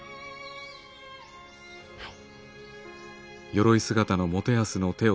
はい。